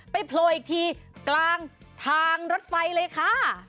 โผล่อีกทีกลางทางรถไฟเลยค่ะ